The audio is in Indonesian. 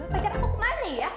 pacar aku kemana ya